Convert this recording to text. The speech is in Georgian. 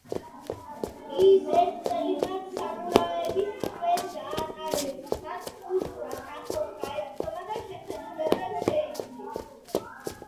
ის ერთ წელიწადს სამურაების ტყვედ გაატარებს, მათ კულტურას ახლოს გაეცნობა და შეხედულებებს შეიცვლის.